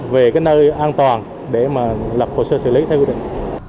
về nơi an toàn để lập hồ sơ xử lý theo quy định